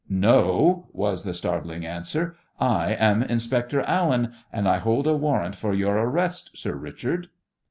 "No," was the startling answer. "I am Inspector Allen, and I hold a warrant for your arrest, Sir Richard."